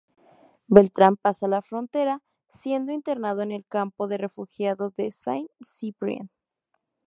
Beltrán pasa la frontera, siendo internado en el campo de refugiados de Saint-Cyprien.